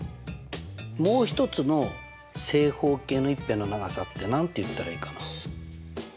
もう１つの正方形の１辺の長さって何て言ったらいいかな？